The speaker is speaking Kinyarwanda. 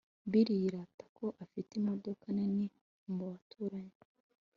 bill yirata ko afite imodoka nini mu baturanyi